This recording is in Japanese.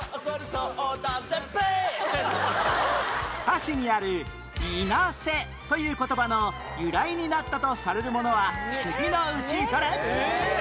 歌詞にある「いなせ」という言葉の由来になったとされるものは次のうちどれ？